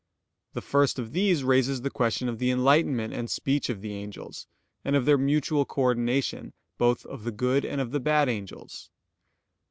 The first of these raises the question of the enlightenment and speech of the angels; and of their mutual coordination, both of the good and of the bad angels.